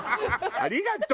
ありがとう！